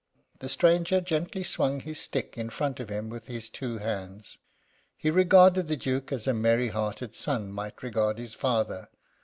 The stranger gently swung his stick in front of him with his two hands. He regarded the Duke as a merry hearted son might regard his father.